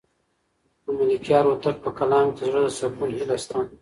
د ملکیار هوتک په کلام کې د زړه د سکون هیله شته.